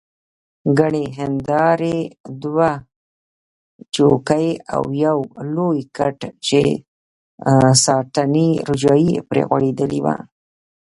ګڼې هندارې، دوه چوکۍ او یو لوی کټ چې ساټني روجایې پرې غوړېدلې وه.